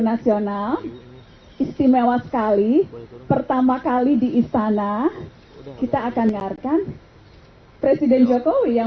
nasional istimewa sekali pertama kali di istana kita akan dengarkan presiden jokowi yang